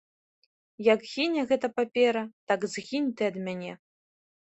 Як гіне гэта папера, так згінь ты ад мяне.